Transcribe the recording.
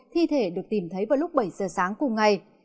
thi thể được tìm thấy vào lúc bảy giờ sáng cùng ngày